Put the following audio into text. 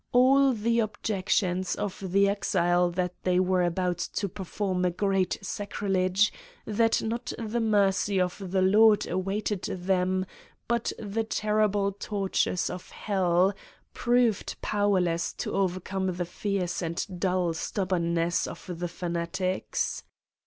all the objections of the exile that they were about to perform a great sacrilege, that not the mercy of the Lord awaited them but the terrible tortures of hell, proved powerless to overcome the fierce and dull stubbornness of the fanatics.